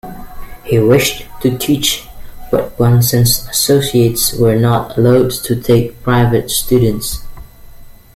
He wished to teach, but Bunsen's associates were not allowed to take private students.